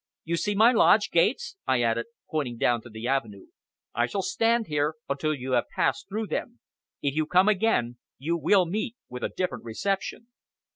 You see my lodge gates," I added, pointing down the avenue, "I shall stand here until you have passed through them. If you come again, you will meet with a different reception!"